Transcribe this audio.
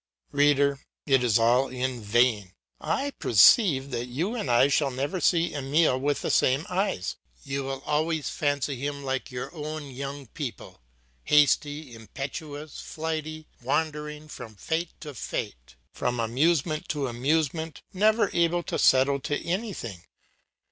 Reader, it is all in vain; I perceive that you and I shall never see Emile with the same eyes; you will always fancy him like your own young people, hasty, impetuous, flighty, wandering from fete to fete, from amusement to amusement, never able to settle to anything.